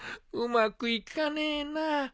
うまくいかねえな」